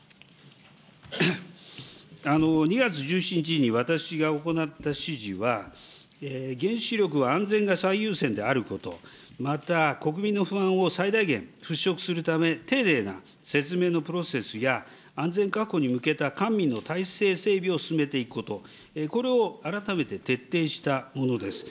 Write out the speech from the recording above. ２月１７日に私が行った指示は、原子力は安全が最優先であること、また国民の不安を最大限払拭するため、丁寧な説明のプロセスや、安全確保に向けた官民の体制整備を進めていくこと、これを改めて徹底したものです。